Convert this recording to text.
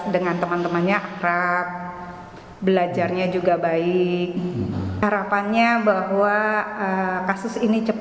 di sebelah mana bu duduknya